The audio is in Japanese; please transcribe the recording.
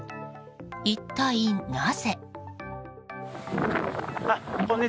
一体なぜ？